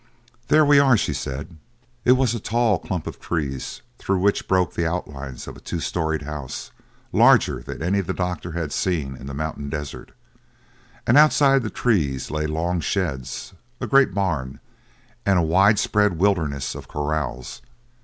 "There we are," she said. It was a tall clump of trees through which broke the outlines of a two storied house larger than any the doctor had seen in the mountain desert; and outside the trees lay long sheds, a great barn, and a wide spread wilderness of corrals.